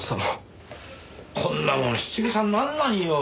こんなもの質草になんないよ。